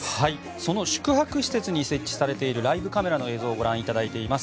その宿泊施設に設置されているライブカメラの映像をご覧いただいています。